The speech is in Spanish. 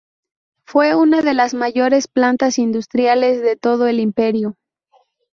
Fue una de las mayores plantas industriales de todo el imperio.